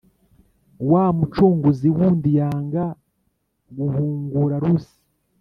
Wa mucunguzi wundi yanga guhungura Rusi